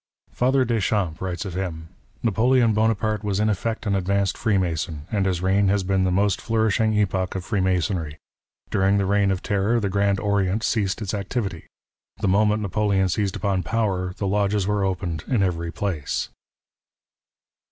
Father Deschamps writes of him :" JS'apoleon Bonaparte was in effect an advanced Freemason, and his reign has been the most flourishing epoch of Freemasonry. During the reign of terror, the Grand Orient ceased its activity. The moment Napoleon seized upon power the lodges were opened in every place."